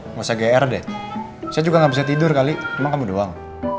nggak usah gr deh saya juga nggak bisa tidur kali emang kamu doang